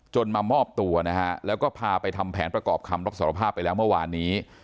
มามอบตัวนะฮะแล้วก็พาไปทำแผนประกอบคำรับสารภาพไปแล้วเมื่อวานนี้